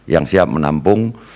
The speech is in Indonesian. yang siap menampung